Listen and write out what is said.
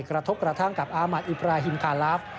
กระทบกระทั่งกับอามัดอิปราฮิมคาลาฟ